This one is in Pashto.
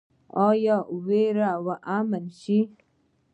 آیا ویره به امن شي؟